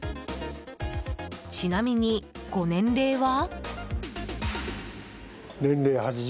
ちなみにご年齢は？